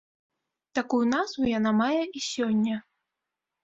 Такую назву яна мае і сёння.